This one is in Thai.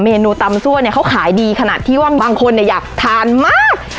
เนูตำซั่วเนี่ยเขาขายดีขนาดที่ว่าบางคนอยากทานมาก